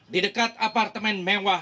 di dekat apartemen mewah